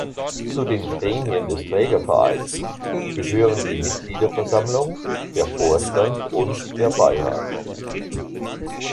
Zu den Gremien des Trägervereins gehören die Mitgliederversammlung, der Vorstand und der Beirat.